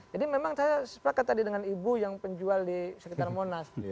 jadi memang saya sepakat tadi dengan ibu yang penjual di sekitar monas